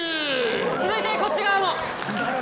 続いてこっち側も！